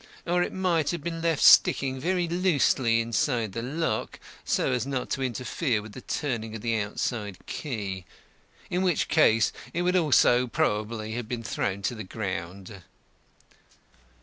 Or it might have been left sticking very loosely inside the lock so as not to interfere with the turning of the outside key, in which case it would also probably have been thrown to the ground."